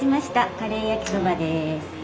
カレー焼きそばです。